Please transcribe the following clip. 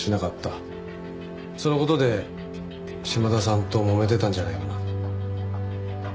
その事で島田さんともめてたんじゃないの？